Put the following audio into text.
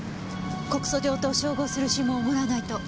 告訴状と照合する指紋をもらわないと。